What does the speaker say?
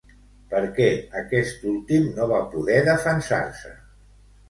Per què aquest últim no va poder defensar-se?